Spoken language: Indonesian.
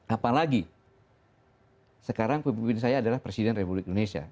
apalagi sekarang pemimpin saya adalah presiden republik indonesia